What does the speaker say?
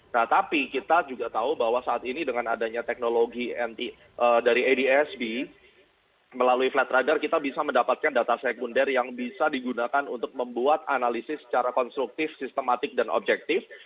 nah tapi kita juga tahu bahwa saat ini dengan adanya teknologi dari adsb melalui flat radar kita bisa mendapatkan data sekunder yang bisa digunakan untuk membuat analisis secara konstruktif sistematik dan objektif